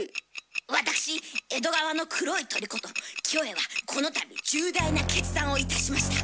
私「江戸川の黒い鳥」ことキョエはこの度重大な決断をいたしました。